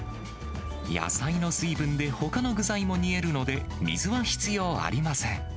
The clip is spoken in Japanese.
野菜の水分でほかの具材も煮えるので水は必要ありません。